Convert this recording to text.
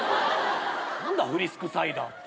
何だフリスクサイダーって。